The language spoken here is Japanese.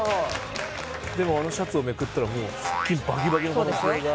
でもあのシャツをめくったら腹筋バキバキの可能性が。